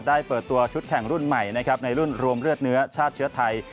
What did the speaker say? เปิดตัวชุดแข่งรุ่นใหม่นะครับในรุ่นรวมเลือดเนื้อชาติเชื้อไทย